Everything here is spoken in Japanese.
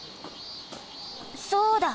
そうだ！